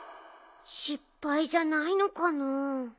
しっぱいじゃないのかな？